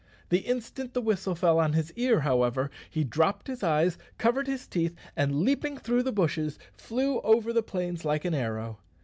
The instant the whistle fell on his ear, however, he dropped his eyes, covered his teeth, and, leaping through the bushes, flew over the plains like an arrow.